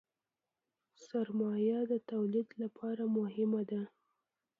سرمایه د تولید لپاره مهمه ده.